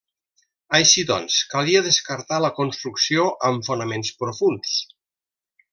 Així doncs, calia descartar la construcció amb fonaments profunds.